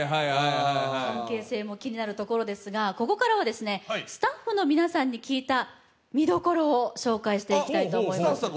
関係性も気になるところですがここからはスタッフの皆さんに聞いた見どころを紹介していきたいと思います。